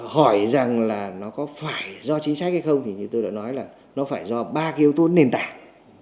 hỏi rằng là nó có phải do chính sách hay không thì như tôi đã nói là nó phải do ba cái yếu tố nền tảng